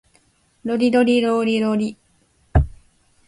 ロリロリローリロリ